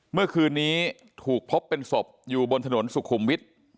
เมื่อคืนนี้ถูกพบเป็นศพอยู่บนถนนสุขุมวิทย์